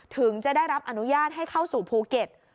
ถึงจะได้รับอนุญาตให้เข้าสู่ภูเก็ต